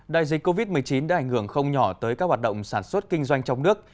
đại dịch covid một mươi chín đã ảnh hưởng không nhỏ tới các hoạt động sản xuất kinh doanh trong nước